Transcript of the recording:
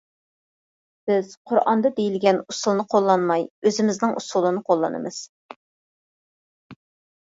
بىز قۇرئاندا دېيىلگەن ئۇسۇلنى قوللانماي، ئۆزىمىزنىڭ ئۇسۇلىنى قوللىنىمىز.